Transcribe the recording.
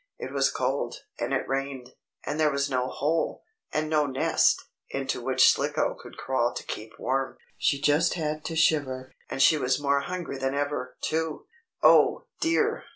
It was cold, and it rained, and there was no hole, and no nest, into which Slicko could crawl to keep warm. She just had to shiver. And she was more hungry than ever, too. "Oh dear!